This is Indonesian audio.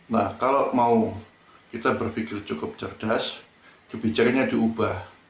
nah kalau mau kita berpikir cukup cerdas kebijakannya diubah